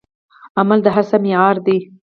عمل د هر څه معیار دی.